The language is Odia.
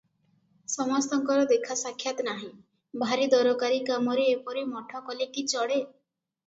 ସମସ୍ତଙ୍କର ଦେଖାସାକ୍ଷାତ ନାହିଁ, ଭାରି ଦରକାରି କାମରେ ଏପରି ମଠ କଲେ କି ଚଳେ?"